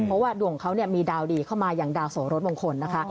เพราะว่าดวงเขามีดาวดีเข้ามาอย่างดาวโสรสมงคลนะคะ